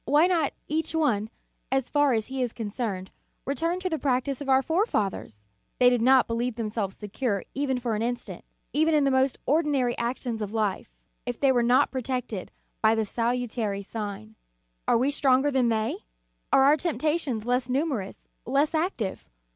Why not, each one, as far as he is concerned, return to the practice of our forefathers ? They did not believe them selves secure even for an instant, even in the most ordinary actions of life, if they were 27 314 The Sign of the Cross not protected by the salutary sign. Are \ve stronger than they? Are our temptations less numerous, less active?